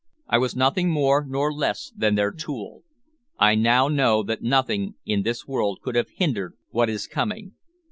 I was nothing more nor less than their tool. I know now that nothing in this world could have hindered what is coming."